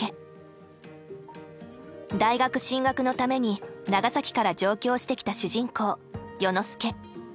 大学進学のために長崎から上京してきた主人公世之介。